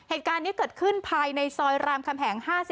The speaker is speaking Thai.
เหตุการณ์นี้เกิดขึ้นภายในซอยรามคำแหง๕๔